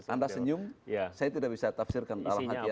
anda senyum saya tidak bisa tafsirkan dalam hati